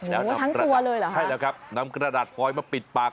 แล้วทั้งตัวเลยเหรอฮะใช่แล้วครับนำกระดาษฟอยมาปิดปาก